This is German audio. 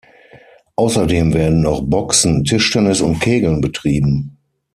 Außerdem werden noch Boxen, Tischtennis und Kegeln betrieben.